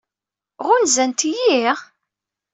Ɣunzant-iyi?